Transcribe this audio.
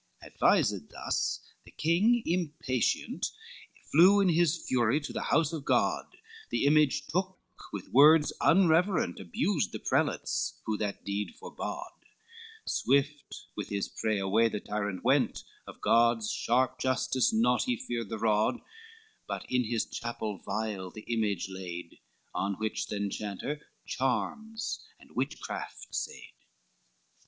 VII Advised thus, the king impatient Flew in his fury to the house of God, The image took, with words unreverent Abused the prelates, who that deed forbode, Swift with his prey, away the tyrant went, Of God's sharp justice naught he feared the rod, But in his chapel vile the image laid, On which the enchanter charms and witchcraft said.